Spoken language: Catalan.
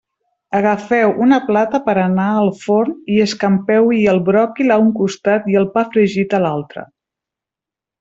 Agafeu una plata per a anar al forn i escampeu-hi el bròquil a un costat i el pa fregit a l'altre.